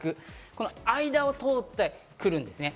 この間を通ってくるんですね。